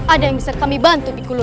ada yang bisa kami bantu pikulun